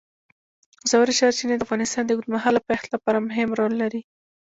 ژورې سرچینې د افغانستان د اوږدمهاله پایښت لپاره مهم رول لري.